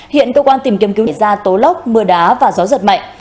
hiện cơ quan tìm kiếm cứu đã tố lốc mưa đá và gió giật mạnh